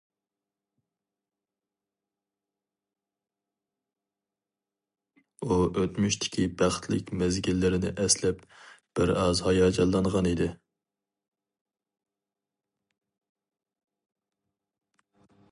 ئۇ ئۆتمۈشتىكى بەختلىك مەزگىللىرىنى ئەسلەپ بىرئاز ھاياجانلانغان ئىدى.